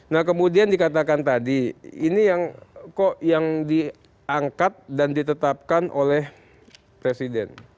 nah kemudian dikatakan tadi ini yang kok yang diangkat dan ditetapkan oleh presiden